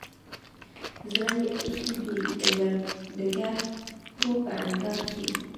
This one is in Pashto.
زړه يې ايښی دی دګرګو په انګار کې